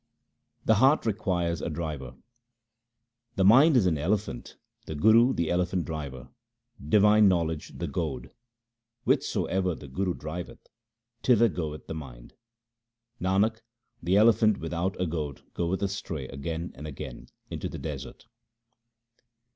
The heart requires a driver :— The mind is an elephant, the Guru the elephant driver, divine knowledge the goad ; whithersoever the Guru driveth, thither goeth the mind. Nanak, the elephant without a goad goeth astray again and again into the desert.